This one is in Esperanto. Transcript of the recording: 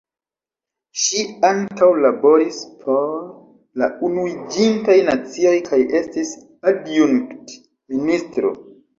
Ŝi ankaŭ laboris por la Unuiĝintaj Nacioj kaj estis adjunkt-ministro.